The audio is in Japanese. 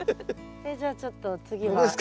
えっじゃあちょっと次は。